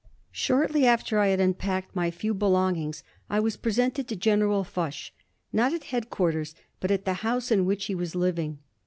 Shortly after I had unpacked my few belongings I was presented to General Foch, not at headquarters, but at the house in which he was living.